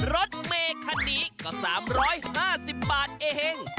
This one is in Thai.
รถเมคันนี้ก็สามร้อยห้าสิบบาทเอง